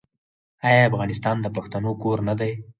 آیا افغانستان د پښتنو کور نه دی؟